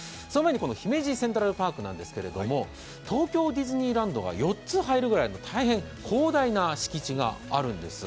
この姫路セントラルパークなんですけれども、東京ディズニーランドが４つ入るくらいの広大な敷地があるんです。